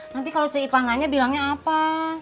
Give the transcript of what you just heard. nanti kalau ceipah nanya bilangnya apa